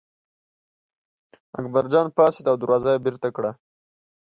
اکبرجان پاڅېد او دروازه یې بېرته کړه.